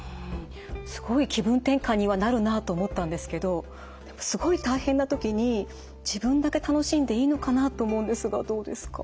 すごい気分転換にはなるなと思ったんですけどでもすごい大変な時に自分だけ楽しんでいいのかな？と思うんですがどうですか？